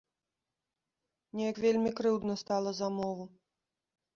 Неяк вельмі крыўдна стала за мову.